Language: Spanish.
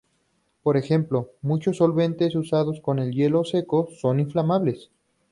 Por ejemplo, muchos solventes usados con el hielo seco son inflamables.